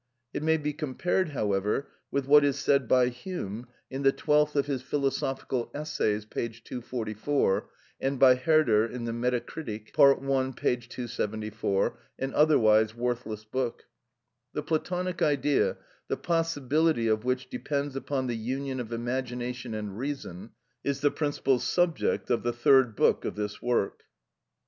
It may be compared, however, with what is said by Hume in the twelfth of his "Philosophical Essays," p. 244, and by Herder in the "Metacritik," pt. i. p. 274 (an otherwise worthless book). The Platonic idea, the possibility of which depends upon the union of imagination and reason, is the principal subject of the third book of this work.